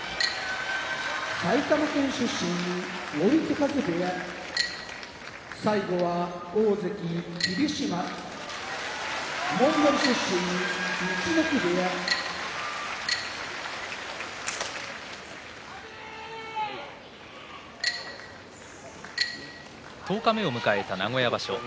埼玉県出身追手風部屋大関・霧島モンゴル出身陸奥部屋十日目を迎えた名古屋場所